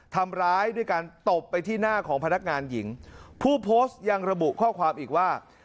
ทำร้ายด้วยการตบไปที่หน้าของพนักงานหญิงผู้โพสต์ยังระบุข้อความอีกว่า